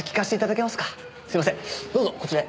どうぞこちらへ。